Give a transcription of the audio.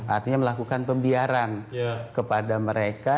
artinya melakukan pembiaran kepada mereka